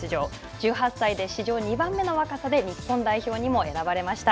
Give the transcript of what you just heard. １８歳で史上２番目の若さで日本代表にも選ばれました。